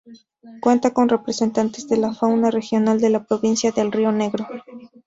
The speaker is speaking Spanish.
Cuenta con representantes de la fauna regional de la provincia de Río Negro.